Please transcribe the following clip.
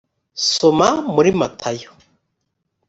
soma muri matayo